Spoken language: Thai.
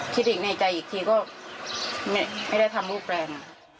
คิดอีกในใจอีกทีก็ไม่ได้ทำลูกแฟน